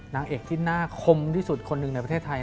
นางเอกที่หน้าคมที่สุดคนหนึ่งในประเทศไทย